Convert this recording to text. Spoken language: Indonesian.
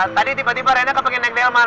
tadi tiba tiba reina kepengen naik delman